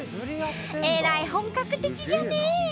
えらい本格的じゃね！